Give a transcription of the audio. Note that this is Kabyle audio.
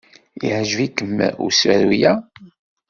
Yeɛjeb-ikem usaru-a?